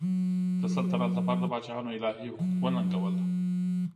د سلطنت لپاره د پاچاهانو الهي حقوق وننګول.